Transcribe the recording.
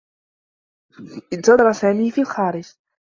انتظر سامي في الخارج.